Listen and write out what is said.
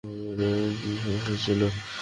ওর কী সমস্যা ছিল?